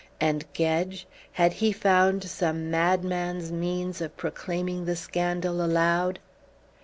And Gedge? Had he found some madman's means of proclaiming the scandal aloud?